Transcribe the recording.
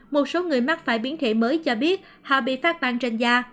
một số người mắc phải biến thể mới cho biết họ bị phát bang trên da